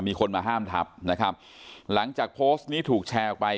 มีคนมาห้ามทับนะครับหลังจากโพสต์นี้ถูกแชร์ออกไป